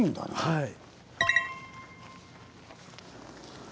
はい。